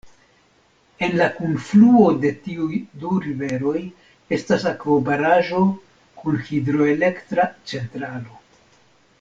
En la kunfluo de tiuj du riveroj estas akvobaraĵo kun hidroelektra centralo.